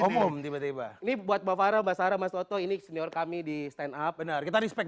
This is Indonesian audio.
umum tiba tiba ini buat mbak farah mbak sarah mas oto ini senior kami di stand up benar kita respect